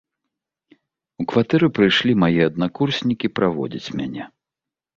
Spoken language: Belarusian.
У кватэру прыйшлі мае аднакурснікі праводзіць мяне.